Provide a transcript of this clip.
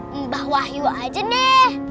mbak wahyu aja deh